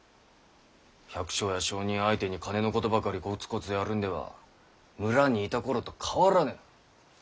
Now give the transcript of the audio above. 百姓や商人相手に金のことばかりこつこつやるんでは村にいた頃と変わらぬ。